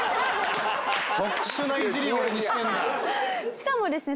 しかもですね